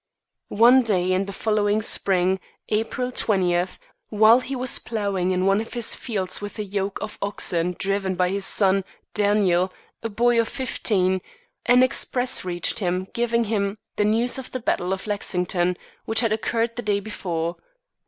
One day in the following spring, April twentieth, while he was ploughing in one of his fields with a yoke of oxen driven by his son, Daniel, a boy of fifteen, an express reached him giving him the news of the battle of Lexington, which had occurred the day before.